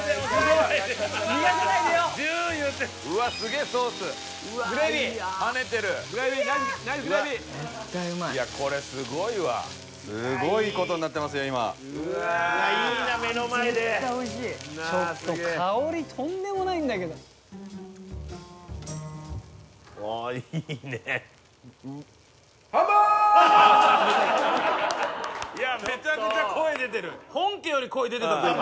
いやめちゃくちゃ声出てる。